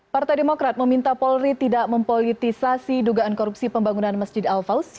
partai demokrat meminta polri tidak mempolitisasi dugaan korupsi pembangunan masjid al fals